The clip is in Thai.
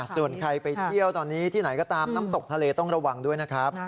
ส่วนใครไปเที่ยวตอนนี้ที่ไหนก็ตามน้ำตกทะเลต้องระวังด้วยนะครับ